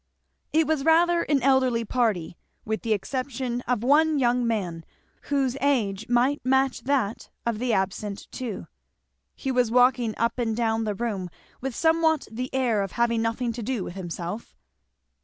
It was rather an elderly party, with the exception of one young man whose age might match that of the absent two. He was walking up and down the room with somewhat the air of having nothing to do with himself.